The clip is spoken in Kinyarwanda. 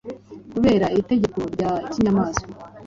Kubera iri tegeko rya kinyamaswa,